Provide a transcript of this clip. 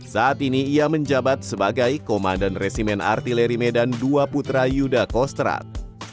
saat ini ia menjabat sebagai komandan resimen artileri medan dua putra yuda kostrat